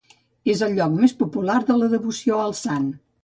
És el lloc més popular de la devoció al sant.